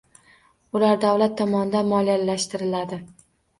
Ular davlat tomonidan moliyalashtiriladi.